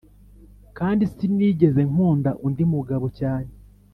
kandi sini geze nkunda undi mugabo cyane.